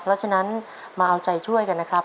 เพราะฉะนั้นมาเอาใจช่วยกันนะครับ